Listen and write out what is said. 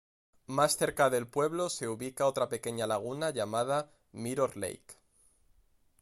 Más cerca del pueblo se ubica otra pequeña laguna llamada Mirror Lake.